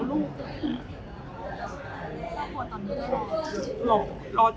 ผมบอกไงข้างนั้น